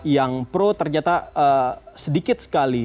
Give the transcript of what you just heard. yang pro ternyata sedikit sekali